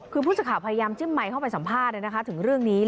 คือผู้สื่อข่าวพยายามจิ้มไมค์เข้าไปสัมภาษณ์ถึงเรื่องนี้